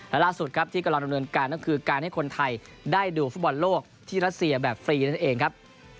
และล่าสุดครับที่กำลังดำเนินการก็คือการให้คนไทยได้ดูฟุตบอลโลกที่รัสเซียแบบฟรีนั่นเองครับ